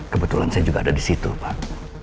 kebetulan saya juga ada di situ pak